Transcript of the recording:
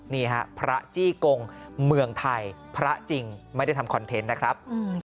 นี่ฮะพระจี้กงเมืองไทยพระจริงไม่ได้ทำคอนเทนต์นะครับ